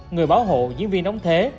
người bảo hộ diễn viên ống thế